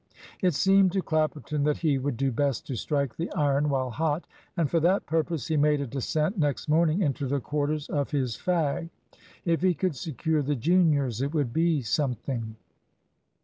It seemed to Clapperton that he would do best to strike the iron while hot; and for that purpose he made a descent next morning into the quarters of his fag. If he could secure the juniors, it would be something.